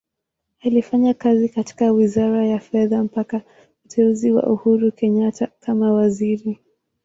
Alifanya kazi katika Wizara ya Fedha mpaka uteuzi wa Uhuru Kenyatta kama Waziri.